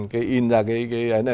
cái in ra cái